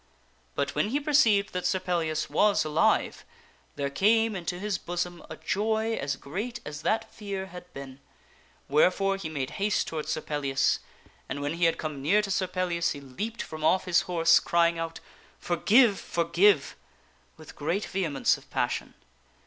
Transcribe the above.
But when he perceived that Sir Pellias was alive, there came into his bosom a joy as great as that fear had been; wherefore he made haste toward Sir Pellias. And when he had come near to Sir Pellias, he leaped from off of his horse, &> Gawaine crying out, " Forgive ! Forgive !" with great vehemence of findeth sir passion.